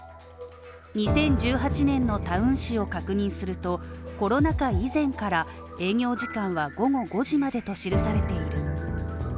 ２０１８年のタウン誌を確認すると、コロナ禍以前から営業時間は午後５時までと記されている。